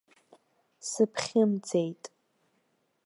Сыбхьымӡеит.